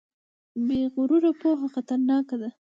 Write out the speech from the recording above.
بې غروره پوهه خطرناکه ده.